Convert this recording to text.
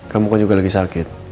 kamu kok juga lagi sakit